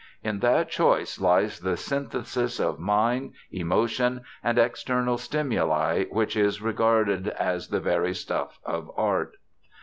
In that choice lies the synthesis of mind, emotion, and external stimuli which is regarded as the very stuff of art.